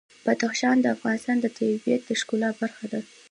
بدخشان د افغانستان د طبیعت د ښکلا برخه ده.